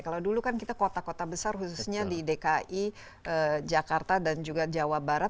kalau dulu kan kita kota kota besar khususnya di dki jakarta dan juga jawa barat